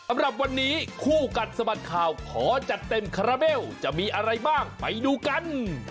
สำหรับวันนี้คู่กัดสะบัดข่าวขอจัดเต็มคาราเบลจะมีอะไรบ้างไปดูกัน